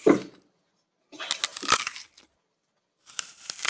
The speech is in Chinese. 拉韦尔里埃。